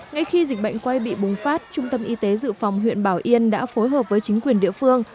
ngay khi dịch bệnh quay bị bùng phát trung tâm y tế dự phòng huyện bảo yên đã phối hợp với chính quyền địa phương